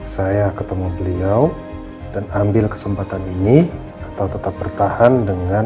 saya ketemu beliau dan ambil kesempatan ini atau tetap bertahan dengan